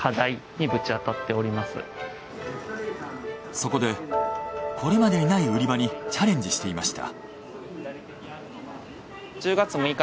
そこでこれまでにない売り場にチャレンジしていました。